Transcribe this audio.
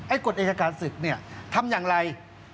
กฎอายการศึกเนี่ยทำอย่างไร